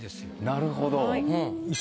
なるほど。